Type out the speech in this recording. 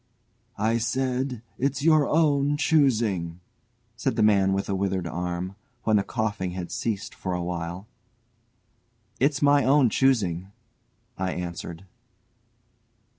"I said it's your own choosing," said the man with the withered arm, when the coughing had ceased for a while. "It's my own choosing," I answered.